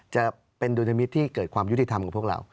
จะเป็นดุลมิตรที่เกิดความยุติธรรมกับพวกเรา